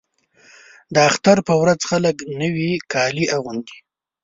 د اختر په ورځ خلک نوي کالي اغوندي.